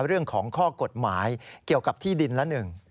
เรื่องของข้อกฎหมายเกี่ยวกับที่ดินละหนึ่ง